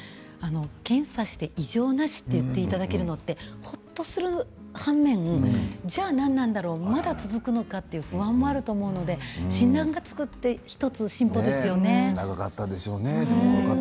検査して異常なしって言っていただけるのはほっとする反面じゃあ何なんだろうまだ続くのかという不安があると思うので長かったでしょうね。